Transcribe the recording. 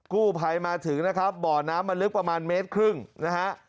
กู้ภัยมาถึงนะครับบ่อน้ำมันลึกประมาณเมตรครึ่งนะฮะ